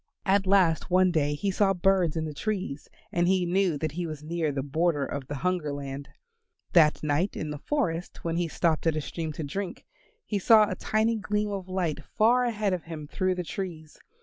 At last one day he saw birds in the trees and he knew that he was near the border of the Hunger Land. That night in the forest when he stopped at a stream to drink, he saw a tiny gleam of light far ahead of him through the trees.